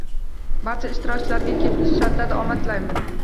Barcha ishtirokchilarga kelgusi shartlarda omad tilaymiz.